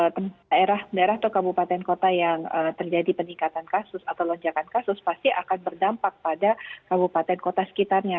jadi daerah daerah atau kabupaten kota yang terjadi peningkatan kasus atau lonjakan kasus pasti akan berdampak pada kabupaten kota sekitarnya